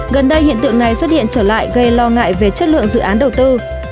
gần đây hiện tượng này xuất hiện trở lại gây lo ngại về chất lượng dự án đầu tư